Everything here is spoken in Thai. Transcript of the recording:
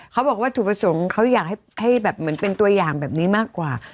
วัตถุประสงค์เขาอยากให้แบบเหมือนเป็นตัวอย่างแบบนี้มากกว่า